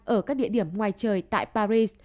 ở các địa điểm ngoài trời tại paris